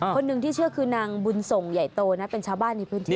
คนหนึ่งที่เชื่อคือนางบุญส่งใหญ่โตนะเป็นชาวบ้านในพื้นที่